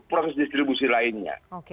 proses distribusi lainnya